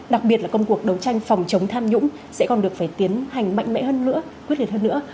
đặc biệt là công cuộc đấu tranh phòng chống tham nhũng sẽ còn được phải tiến hành mạnh mẽ hơn nữa quyết liệt hơn nữa